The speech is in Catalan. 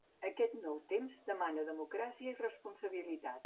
Aquest nou temps demana democràcia i responsabilitat.